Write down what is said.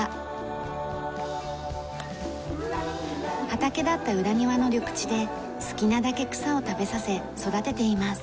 畑だった裏庭の緑地で好きなだけ草を食べさせ育てています。